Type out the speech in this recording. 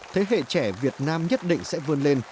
thế hệ trẻ việt nam nhất định sẽ vươn lên